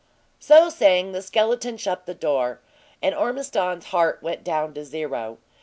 So saying the skeleton shut the door, and Ormiston's heart went down to zero.